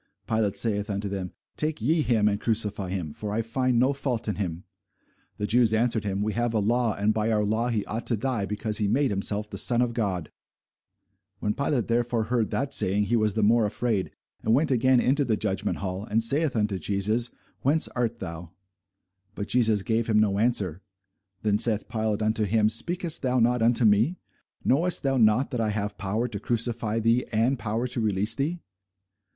Pilate saith unto them, Take ye him, and crucify him: for I find no fault in him. The Jews answered him, We have a law, and by our law he ought to die, because he made himself the Son of God. [Sidenote: St. Matthew 27] When Pilate therefore heard that saying, he was the more afraid; and went again into the judgment hall, and saith unto Jesus, Whence art thou? But Jesus gave him no answer. Then saith Pilate unto him, Speakest thou not unto me? knowest thou not that I have power to crucify thee, and have power to release thee?